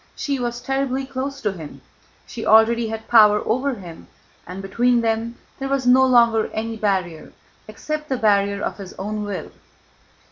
She was terribly close to him. She already had power over him, and between them there was no longer any barrier except the barrier of his own will.